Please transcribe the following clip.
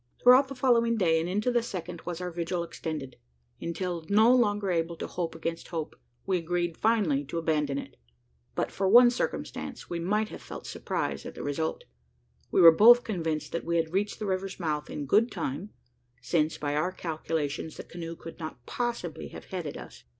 Throughout the following day, and into the second, was our vigil extended: until no longer able to hope against hope, we agreed finally to abandon it. But for one circumstance, we might have felt surprise at the result. We were both convinced that we had reached the river's mouth in good time: since, by our calculations, the canoe could not possibly have "headed" us.